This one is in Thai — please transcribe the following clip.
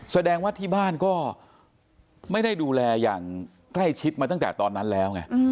แสดงว่าที่บ้านก็ไม่ได้ดูแลอย่างใกล้ชิดมาตั้งแต่ตอนนั้นแล้วไง